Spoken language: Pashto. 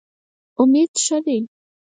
امید ښه دی.